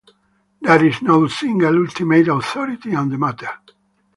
There is no single ultimate authority on the matter.